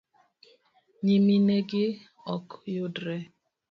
nyiminegi ok yudre